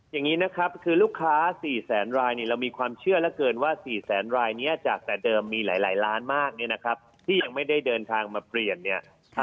อย่างนี้นะครับคือลูกค้า๔แสนรายเนี่ยเรามีความเชื่อเหลือเกินว่า๔แสนรายนี้จากแต่เดิมมีหลายล้านมากเนี่ยนะครับที่ยังไม่ได้เดินทางมาเปลี่ยนเนี่ย